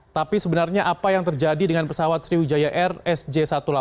tapi sebenarnya apa yang terjadi dengan pesawat sriwijaya air sj satu ratus delapan puluh